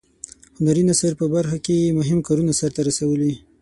هنري نثر په برخه کې یې مهم کارونه سرته رسولي.